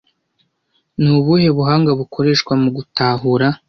Nubuhe buhanga bukoreshwa mugutahura